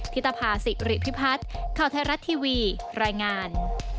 ธิตภาษิริพิพัฒน์ข่าวไทยรัฐทีวีรายงาน